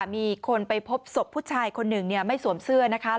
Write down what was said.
มีคนไปพบศพผู้ชายคนหนึ่งไม่สวมเสื้อนะคะ